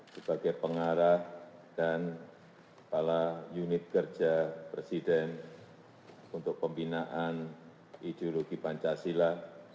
sebagai pengarah dan kepala unit kerja presiden untuk pembinaan ideologi pancasila